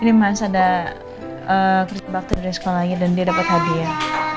ini mas ada kerja waktu dari sekolahnya dan dia dapat hadiah